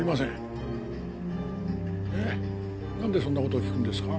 なんでそんな事を聞くんですか？